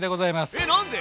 えっ何で？